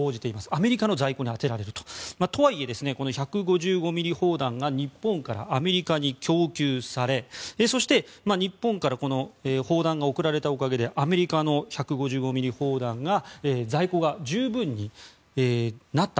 アメリカの在庫に充てられると。とはいえ１５５ｍｍ砲弾が日本からアメリカに供給されそして、日本から砲弾が送られたおかげでアメリカの１５５ｍｍ砲弾が在庫が十分になった。